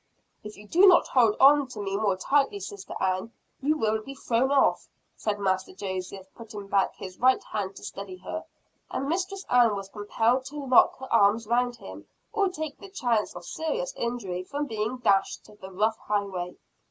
"If you do not hold on to me more tightly, Sister Ann, you will be thrown off," said Master Joseph, putting back his right hand to steady her. And Mistress Ann was compelled to lock her arms around him, or take the chance of serious injury from being dashed to the rough highway.